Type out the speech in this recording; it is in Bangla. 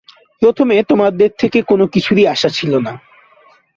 প্রথমে তোমাদের থেকে কোন কিছুরই আশা ছিল না।